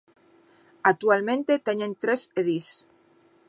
Actualmente teñen tres edís.